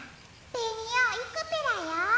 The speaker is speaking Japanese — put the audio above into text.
ベニオいくペラよ。